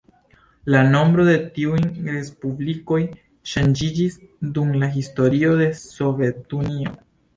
La nombro de tiuj respublikoj ŝanĝiĝis dum la historio de Sovetunio.